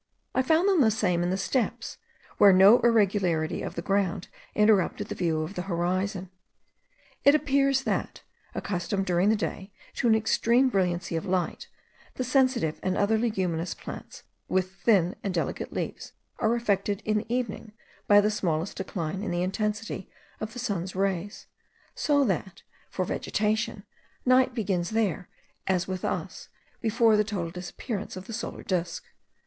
I found them the same in the steppes, where no irregularity of the ground interrupted the view of the horizon. It appears, that, accustomed during the day to an extreme brilliancy of light, the sensitive and other leguminous plants with thin and delicate leaves are affected in the evening by the smallest decline in the intensity of the sun's rays; so that for vegetation, night begins there, as with us, before the total disappearance of the solar disk.